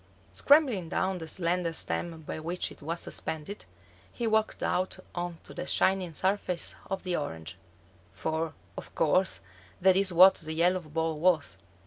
Scrambling down the slender stem by which it was suspended, he walked out on to the shining surface of the orange; for, of course, that is what the yellow ball was.